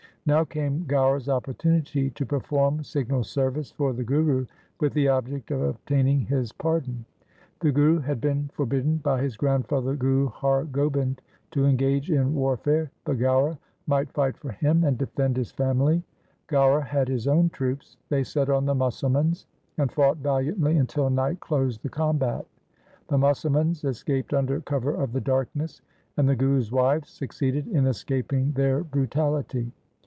Now came Gaura's opportunity to per form signal service for the Guru with the object of obtaining his pardon. The Guru had been forbidden by his grandfather Guru Har Gobind to engage in warfare, but Gaura might fight for him and defend his family. Gaura had his own troops. They set on the Musalmans and fought valiantly until night closed the combat. The Musalmans escaped under cover of the darkness, and the Guru's wives succeeded in escaping their brutality.